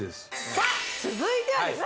さっ続いてはですね